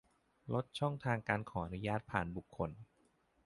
ลดช่องทางการขออนุญาตผ่านบุคคล